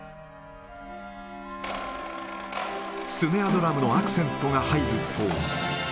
スネアドラムのアクセントが入ると。